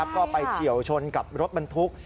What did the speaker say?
ก็ไปเฉียวชนกับรถบรรทุก